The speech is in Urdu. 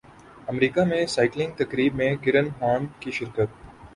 امریکہ میں سائیکلنگ تقریب میں کرن خان کی شرکت